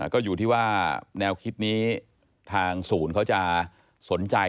ก็อยู่ที่ว่าแนวคิดนี้ทางศูนย์เขาจะสนใจ